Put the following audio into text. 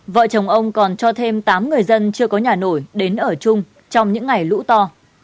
vợ chồng ông còn cho thêm tám người dân chưa có nhà nổi đến ở chung trong những ngày lũ to